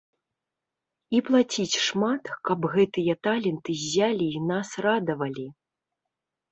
І плаціць шмат, каб гэтыя таленты ззялі і нас радавалі.